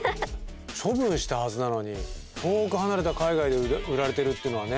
処分したはずなのに遠く離れた海外で売られてるっていうのはね。